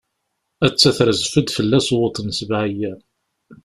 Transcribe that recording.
Atta terzef-d, fell-as wwḍen sebɛ-yyam.